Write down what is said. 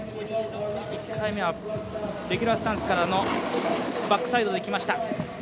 １回目はレギュラースタンスからのバックサイドできました。